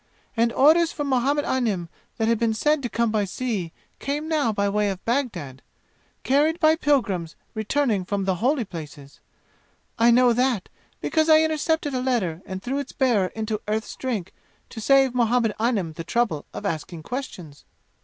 And orders for Muhammad Anim that had been said to come by sea came now by way of Bagdad, carried by pilgrims returning from the holy places. I know that because I intercepted a letter and threw its bearer into Earth's Drink to save Muhammad Anim the trouble of asking questions."